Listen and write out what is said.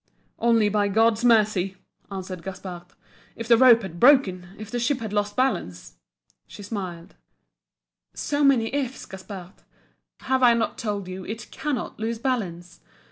"Only by God's mercy!" answered Gaspard "If the rope had broken; if the ship had lost balance " She smiled. "So many 'ifs' Gaspard? Have I not told you it CANNOT lose balance?